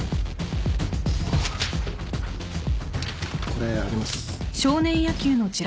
これあげます。